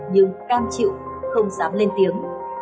nhưng cam chịu không dám lên tiếng